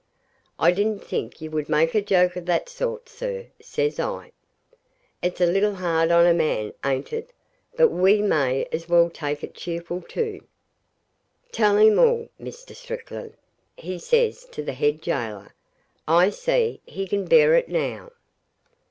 'I didn't think you would make a joke of that sort, sir,' says I. 'It's a little hard on a man, ain't it? But we may as well take it cheerful, too.' 'Tell him all, Mr. Strickland,' he says to the head gaoler. 'I see he can bear it now.'